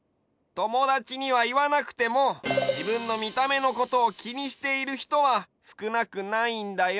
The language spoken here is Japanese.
ともだちにはいわなくてもじぶんのみためのことをきにしているひとはすくなくないんだよ。